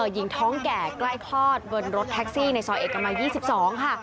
หญิงท้องแก่ใกล้คลอดบนรถแท็กซี่ในซอยเอกมัย๒๒ค่ะ